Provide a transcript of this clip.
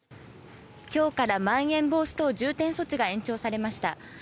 きょうからまん延防止等重点措置が延長されました。